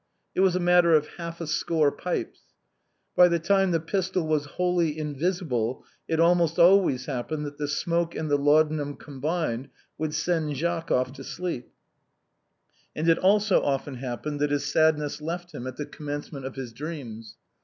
It was a matter of half a score pipes. By the time the pistol was wholly in visible it almost always happened that the smoke and the laudanum combined would send Jacques off to sleep, and it francine's muff. 227 also often happened that his sadness left him at the com mencement of his dreams.